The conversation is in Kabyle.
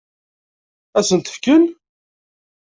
Ad sen-t-fken?